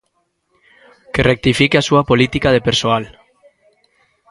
Que rectifique a súa política de persoal.